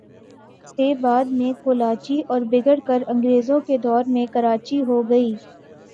سے بعد میں کولاچی اور بگڑ کر انگریزوں کے دور میں کراچی ھو گئی